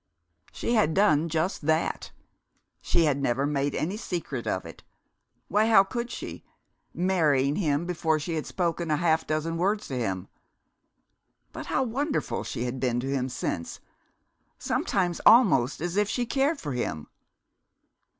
She had done just that. She had never made any secret of it why, how could she, marrying him before she had spoken a half dozen words to him? But how wonderful she had been to him since sometimes almost as if she cared for him....